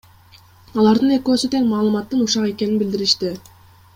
Алардын экөөсү тең маалыматтын ушак экенин билдиришти.